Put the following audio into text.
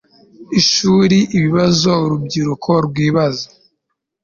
ishuri ibibazo urubyiruko rwibaza